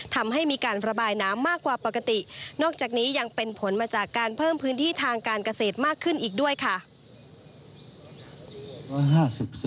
ทำให้มีการระบายน้ำมากกว่าปกตินอกจากนี้ยังเป็นผลมาจากการเพิ่มพื้นที่ทางการเกษตรมากขึ้นอีกด้วยค่ะ